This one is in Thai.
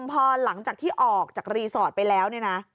พอหลังจากที่ออกจากรีสอร์ทไปแล้วเนี่ยนะ